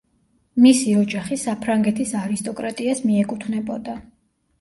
მისი ოჯახი საფრანგეთის არისტოკრატიას მიეკუთვნებოდა.